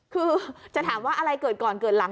คือจะถามว่าอะไรเกิดก่อนเกิดหลัง